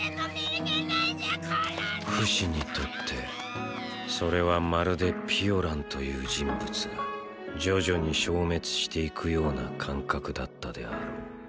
フシにとってそれはまるでピオランという人物が徐々に消滅していくような感覚だったであろう。